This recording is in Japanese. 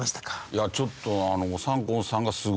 いやちょっとあの。